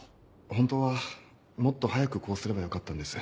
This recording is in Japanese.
本当はもっと早くこうすればよかったんです。